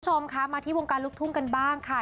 คุณผู้ชมคะมาที่วงการลูกทุ่งกันบ้างค่ะ